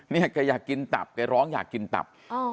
เนี่ยแกอยากกินตับแกร้องอยากกินตับ